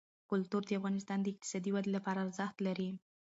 کلتور د افغانستان د اقتصادي ودې لپاره ارزښت لري.